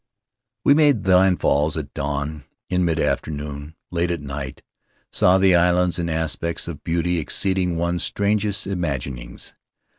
We made landfalls at dawn, in midafternoon, late at night — saw the islands in aspects of beauty exceeding one's strangest imaginings.